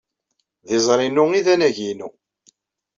D izri-inu ay d anagi-inu.